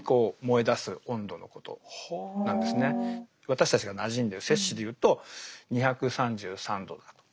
私たちがなじんでる摂氏でいうと２３３度だということですね。